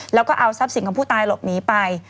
แล้วก็เอาทรัพย์สินของผู้ตายหลบหนีไป